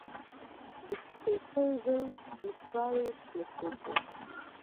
د سپیتزر انفراریډ تلسکوپ و.